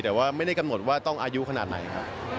แต่ว่าไม่ได้กำหนดว่าต้องอายุขนาดไหนครับ